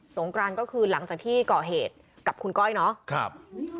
งกรานก็คือหลังจากที่ก่อเหตุกับคุณก้อยเนาะ